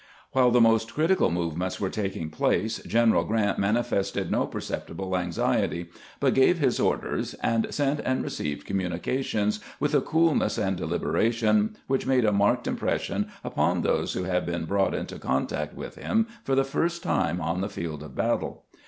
While the most critical movements were taking place, General Grant manifested no perceptible anxiety, but gave his orders, and sent and received communications, with a coolness and deliberation which made a marked impression upon those who had been brought into con tact with him for the first time on the field of battle.